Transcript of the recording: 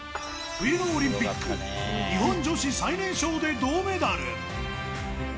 冬のオリンピック、日本女子最年少で銅メダル。